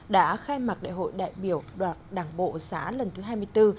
đã khai mạc đại hội đại biểu đoạt đảng bộ xã lần thứ hai mươi bốn